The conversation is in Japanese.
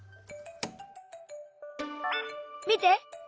見て！